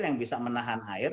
yang bisa menahan air